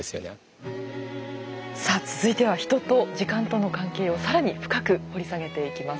さあ続いてはヒトと時間との関係を更に深く掘り下げていきます。